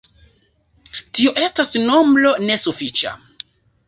Tio estas nombro nesufiĉa.